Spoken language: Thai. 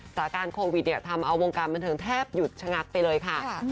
สถานการณ์โควิดเนี่ยทำเอาวงการบันเทิงแทบหยุดชะงักไปเลยค่ะ